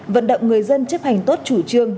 vận động người dân chấp hành tốt chủ trương